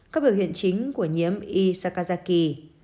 các biểu hiện chính của nhiễm isaccaraki